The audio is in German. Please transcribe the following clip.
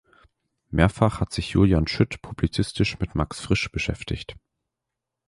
Mehrfach hat sich Julian Schütt publizistisch mit Max Frisch beschäftigt.